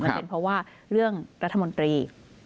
มันเป็นเพราะว่าเรื่องรัฐมนตรี